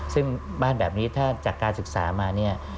ซึ่งบ้านแบบนี้ถ้าจากการศึกษามาเนี่ย